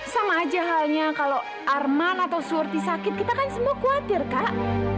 sama aja halnya kalau arman atau surti sakit kita kan semua khawatir kak